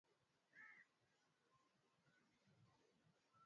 hawa wakina Lady Jay Dee Ray Maunda Zorro Mwasiti Marlaw Barnaba